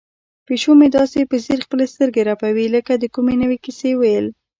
پیشو مې داسې په ځیر خپلې سترګې رپوي لکه د کومې نوې کیسې ویل.